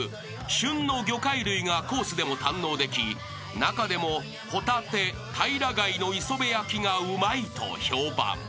［旬の魚介類がコースでも堪能でき中でもホタテ平貝の磯部焼きがうまいと評判］